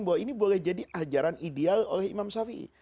bahwa ini boleh jadi ajaran ideal oleh imam shafi'i